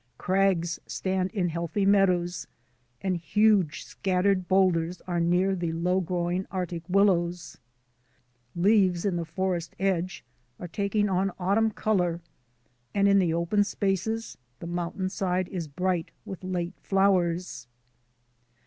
Crags stand in heathy meadows, and huge, scattered boulders are near the low growing Arctic willows. Leaves in the forest edge are ttt; Wm^l^ll THE ARCTIC ZONE OF HIGH MOUNTAINS 97 taking on autumn colour, and in the open spaces the mountainside is bright with late flowers.